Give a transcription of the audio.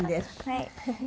はい。